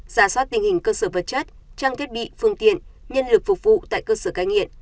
giả soát tình hình cơ sở vật chất trang thiết bị phương tiện nhân lực phục vụ tại cơ sở cai nghiện